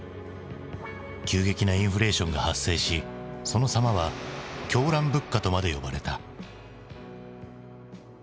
急激なインフレーションが発生しその様は狂乱物価とまで呼ばれた。